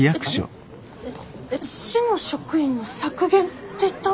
えっ市の職員の削減って言った？